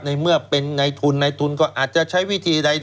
ในเมื่อเป็นในทุนในทุนก็อาจจะใช้วิธีใด